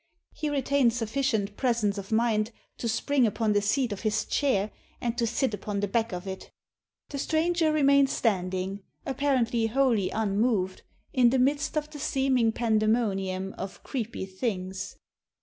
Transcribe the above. He retained sufficient presence of mind to spring upon the seat of his chair, and to sit upon the back of it The stranger remained standing, apparently wholly unmoved, in the midst of the seeming pandemonium of creepy things.